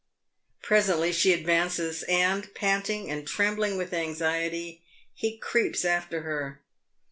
Presently she advances, and, panting and trembling with anxiety, he creeps after her.